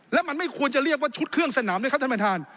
และมันไม่ควรจะเรียกว่าชุดเครื่องสนามด้วยครับท่านประธาน